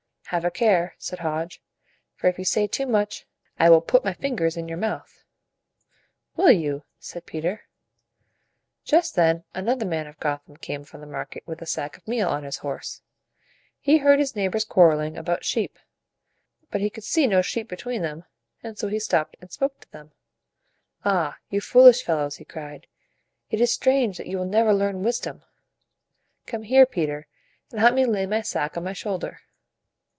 "Have a care," said Hodge; "for if you say too much, I will put my fingers in your mouth." "Will you?" said Peter. Just then another man of Gotham came from the market with a sack of meal on his horse. He heard his neigh bors quar rel ing about sheep; but he could see no sheep between them, and so he stopped and spoke to them. "Ah, you foolish fellows!" he cried. "It is strange that you will never learn wisdom. Come here, Peter, and help me lay my sack on my shoul der."